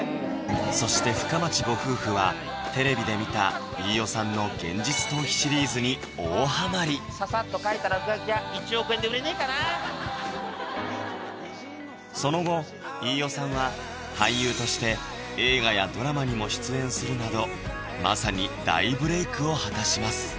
そして深町ご夫婦はテレビで見た飯尾さんの「現実逃避シリーズ」に大ハマりササッと描いた落書きが１億円で売れねえかなその後飯尾さんは俳優として映画やドラマにも出演するなどまさに大ブレイクを果たします